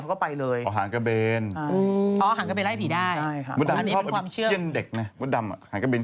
มัวดำหังกันไปเที่ยนตีให้เห็นตายนะเธอ